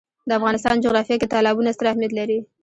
د افغانستان جغرافیه کې تالابونه ستر اهمیت لري.